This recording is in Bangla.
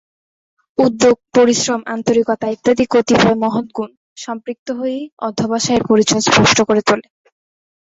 উদ্যোগ, পরিশ্রম, আন্তরিকতা ইত্যাদি কতিপয় মহৎ গুণ সম্পৃক্ত হয়েই অধ্যবসায়ের পরিচয় স্পষ্ট করে তোলে।